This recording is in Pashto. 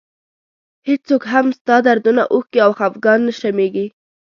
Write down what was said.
هېڅوک هم ستا دردونه اوښکې او خفګان نه شمېري.